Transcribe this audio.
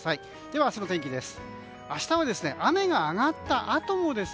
では、明日の天気です。